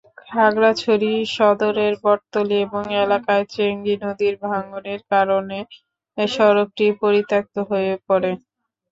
খাগড়াছড়ি সদরের বটতলী এলাকায় চেঙ্গী নদীর ভাঙনের কারণে সড়কটি পরিত্যক্ত হয়ে পড়ে।